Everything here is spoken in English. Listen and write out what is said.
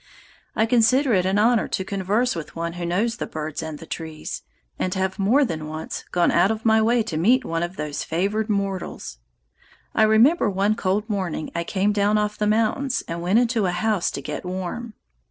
I consider it an honor to converse with one who knows the birds and the trees, and have more than once gone out of my way to meet one of those favored mortals. I remember one cold morning I came down off the mountains and went into a house to get warm.